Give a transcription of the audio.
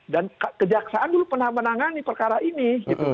dan kejaksaan dulu pernah menangani perkara ini